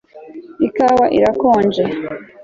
Ikawa irakonje